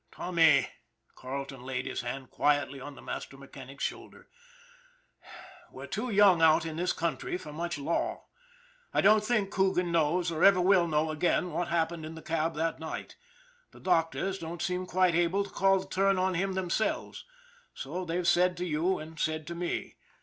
" Tommy " Carleton laid his hand quietly on the master mechanic's shoulder " we're too young out in this country for much law. I don't think Coogan knows or ever will know again what happened in the cab that night. The doctors don't seem quite able to call the turn on him themselves, so they've said to you and said to me.